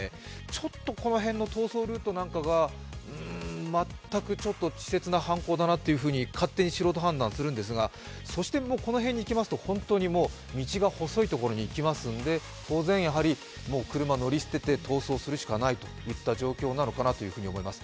ちょっとこの辺の逃走ルートなんかがうーん、全くちょっと稚拙な犯行だなって勝手に素人判断するんですがそしてこの辺にいきますと本当に道が細いところにいきますので当然、車を乗り捨てて逃走するしかないといった状況なのかなというふうに思います。